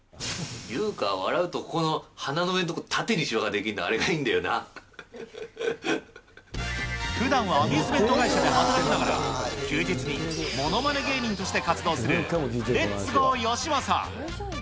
優香は笑うとここの鼻の上んとこ、縦にしわが出来んの、あれがいいふだんはアミューズメント会社で働きながら、休日にものまね芸人として活動する、レッツゴーよしまさ。